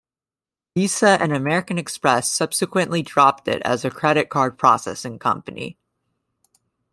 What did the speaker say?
Visa and American Express subsequently dropped it as a credit card processing company.